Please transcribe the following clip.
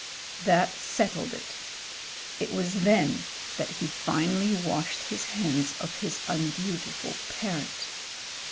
That settled it. It was then that he finally washed his hands of his undutiful parent.